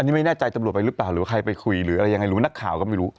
นี่ไม่แน่ใจตำรวจไปหรือเปล่าหรือใครไปคุยหรืออะไรยังไงรู้นักข่าวก็ไม่รู้